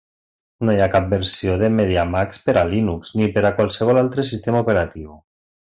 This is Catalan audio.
No hi ha cap versió de MediaMax per al Linux ni per a qualsevol altre sistema operatiu.